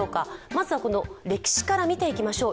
まずは歴史から見ていきましょう。